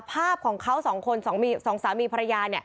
ภาพของเขาสองคนสองสามีภรรยา